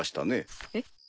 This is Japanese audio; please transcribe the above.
えっ。